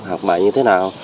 học bài như thế nào